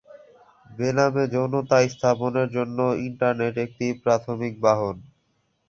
বেনামে যৌনতা স্থাপনের জন্য ইন্টারনেট একটি প্রাথমিক বাহন।